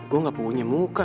gue gak punya muka